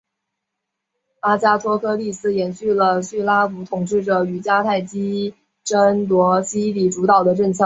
阿加托克利斯延续了叙拉古统治者与迦太基争夺西西里主导的政策。